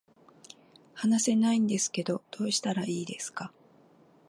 話せないんですけどどうしたらいいですか